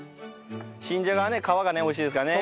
新じゃがはね皮がね美味しいですからね。